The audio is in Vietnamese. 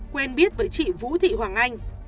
quen biết với chị vũ thị hoàng anh